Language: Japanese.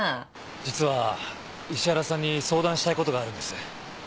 実は石原さんに相談したいことがあるんです。